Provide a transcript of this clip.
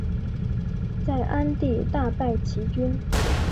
在鞍地大败齐军。